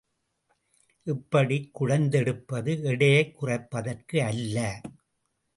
இப்படிக் குடைந்தெடுப்பது எடையைக் குறைப்பதற்காக அல்ல.